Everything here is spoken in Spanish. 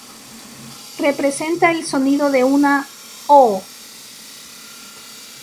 Representa el sonido de una "O".